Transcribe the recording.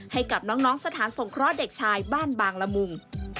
ให้กับน้องสถานสงครอบครอบครัวเด็กชายบ้านบางละมุง